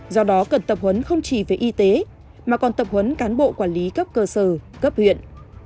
do đó cần tập huấn không chỉ về y tế mà còn tập huấn cán bộ quản lý cấp cơ sở cấp huyện